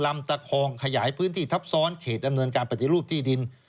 ลำตะคองขยายพื้นที่ทับซ้อนเขตดำเนินการปฏิรูปที่ดิน